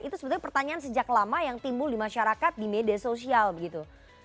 itu sebetulnya pertanyaan sejak lama yang timbul di masyarakat di media sosial begitu